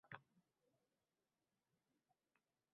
Chunki sen alal-oqibat oʻshalar uchun yozasan